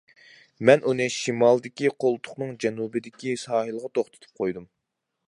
مەن ئۇنى شىمالدىكى قولتۇقنىڭ جەنۇبىدىكى ساھىلغا توختىتىپ قويدۇم.